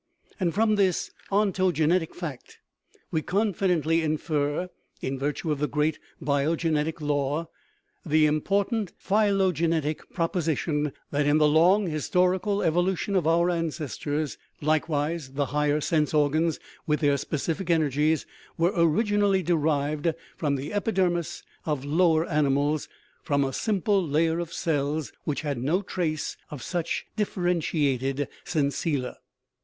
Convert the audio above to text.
And 293 THE RIDDLE OF THE UNIVERSE from this ontogenetic fact we confidently infer, in virtue of the great biogenetic law, the important phylogenetic proposition, that in the long historical evolution of our ancestors, likewise, the higher sense organs with their specific energies were originally derived from the epi dermis of lower animals, from a simple layer of cells which had no trace of such differentiated sensilla.